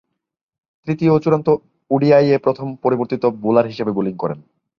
তৃতীয় ও চূড়ান্ত ওডিআইয়ে প্রথম পরিবর্তিত বোলার হিসেবে বোলিং করেন।